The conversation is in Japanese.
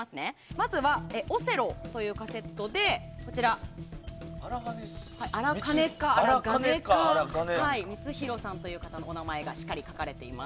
まず、「Ｏｔｈｅｌｌｏ」というカセットで荒金光弘さんという方のお名前がしっかり書かれています。